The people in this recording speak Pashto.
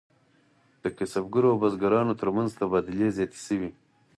د کسبګرو او بزګرانو ترمنځ تبادلې زیاتې شوې.